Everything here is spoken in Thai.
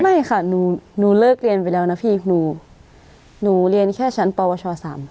ไม่ค่ะหนูหนูเลิกเรียนไปแล้วนะพี่ครูหนูเรียนแค่ชั้นปวช๓